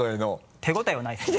手応えはないですね。